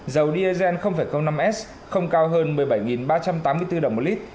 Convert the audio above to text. dầu diesel năm s không cao hơn một mươi bảy ba trăm tám mươi bốn đồng một lít